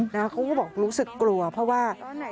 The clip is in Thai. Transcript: เขาก็บอกรู้สึกกลัวเพราะว่า